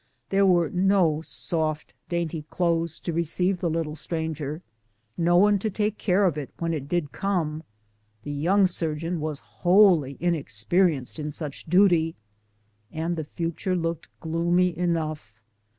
There were no soft, dainty clothes to receive the little stranger, no one to take care of it when it did come ; the young surgeon was wholly inex perienced in such duty, and the future looked gloomy enough.